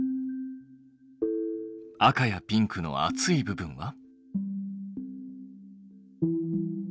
赤やピンクの熱い部分は？